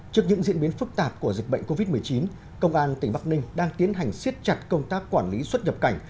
trước những diễn biến phức tạp của dịch bệnh covid một mươi chín công an tỉnh bắc ninh đang tiến hành siết chặt công tác quản lý xuất nhập cảnh